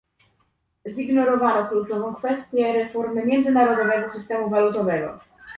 Zignorowano kluczową kwestię reformy międzynarodowego systemu walutowego